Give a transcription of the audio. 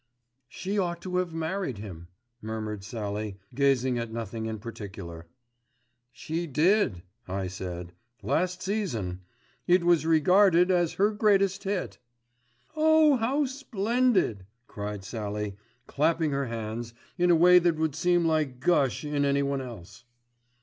"She ought to have married him," murmured Sallie, gazing at nothing in particular. "She did," I said, "last season. It was regarded as her greatest hit." "Oh! how splendid," cried Sallie, clapping her hands in a way that would seem like gush in anyone else.